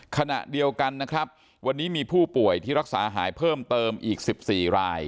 ขณะเดียวกันนะครับวันนี้มีผู้ป่วยที่รักษาหายเพิ่มเติมอีก๑๔ราย